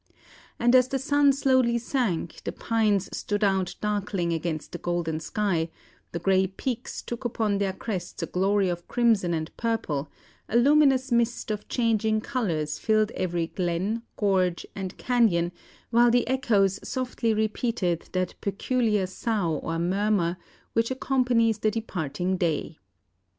And as the sun slowly sank, the pines stood out darkling against the golden sky, the grey peaks took upon their crests a glory of crimson and purple, a luminous mist of changing colours filled every glen, gorge, and canyon, while the echoes softly repeated that peculiar sough or murmur which accompanies the departing day.